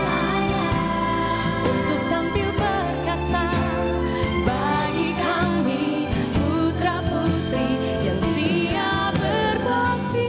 untuk tampil berkasa bagi kami putra putri yang siap berbakti